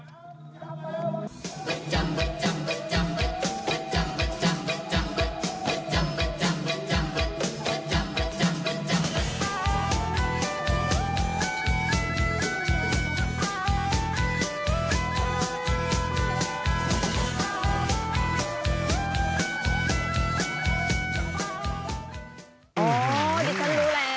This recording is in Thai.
อ๋อดิฉันรู้แล้ว